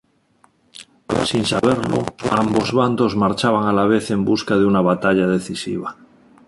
Sin saberlo, ambos bandos marchaban a la vez en busca de una batalla decisiva.